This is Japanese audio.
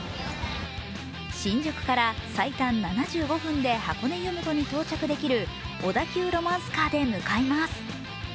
新宿から最短７５分で箱根湯本に到着できる小田急ロマンスカーで向かいます。